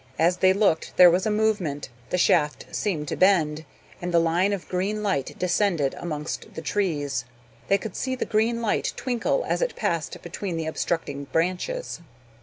As they looked there was a movement the shaft seemed to bend, and the line of green light descended amongst the trees. They could see the green light twinkle as it passed between the obstructing branches.